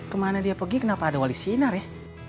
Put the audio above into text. kemana dia pergi kenapa ada wali sinar ya